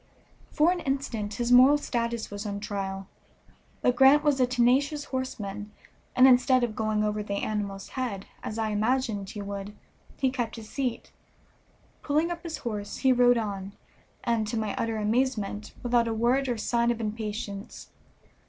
For an instant his moral status was on trial; but Grant was a tenacious horseman, and instead of going over the animal's head, as I imagined he would, he kept his seat. Pulling up his horse, he rode on, and, to my utter amazement, without a word or sign of impatience.